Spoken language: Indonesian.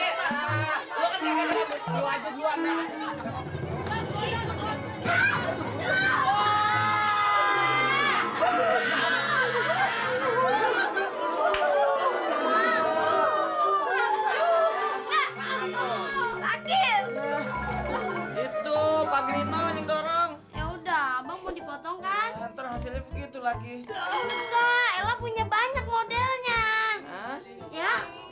itu pak grima yang dorong ya udah mau dipotongkan terhasil begitu lagi punya banyak modelnya ya